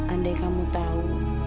andai kamu tahu